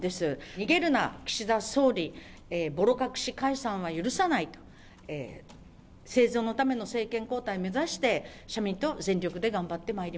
逃げるな岸田総理、ぼろ隠し解散は許さないと、生存のための政権交代を目指して、社民党は全力で頑張ってまいり